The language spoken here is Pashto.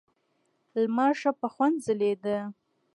لمر ښه په خوند ځلېده.